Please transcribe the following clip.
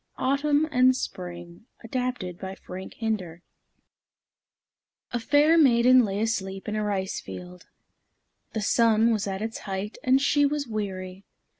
AUTUMN AND SPRING ADAPTED BY FRANK HINDER A fair maiden lay asleep in a rice field. The sun was at its height, and she was weary.